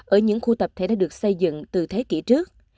ở những khu tập thể đã được xây dựng từ thế kỷ trước